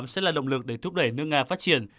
sẽ là động lực để thúc đẩy nước nga phát triển